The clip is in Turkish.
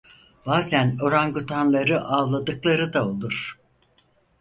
Bazen orangutanları avladıkları da olur.